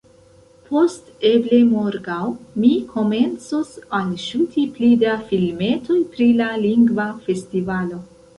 Post eble morgaŭ, mi komencos alŝuti pli da filmetoj pri la Lingva Festivalo.